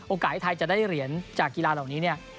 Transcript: ที่ไทยจะได้เหรียญจากกีฬาเหล่านี้เนี่ย